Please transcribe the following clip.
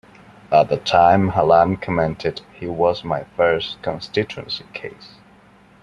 At the time Hallam commented He was my first constituency case.